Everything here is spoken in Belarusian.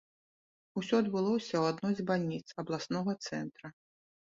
Усё адбылося ў адной з бальніц абласнога цэнтра.